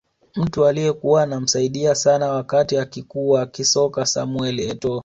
Mtu aliyekuwa anamsaidia sana wakati akikua kisoka Samuel Etoo